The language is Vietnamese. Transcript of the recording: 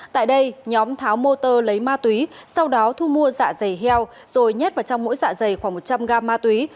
tại đây nhóm tháo motor lấy ma túy sau đó thu mua dạ dày heo rồi nhét vào trong mỗi dạ dày khoảng một trăm linh gram ma túy